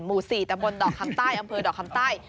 หมู่๔ตะมนต์ดคัมใต้อำเภอดคัมใต้